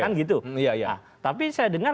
kan gitu tapi saya dengar